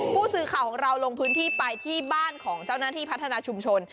ผู้สื่อข่าวของเราลงพื้นที่ไปที่บ้านของเจ้าหน้าที่พัฒนาชุมชน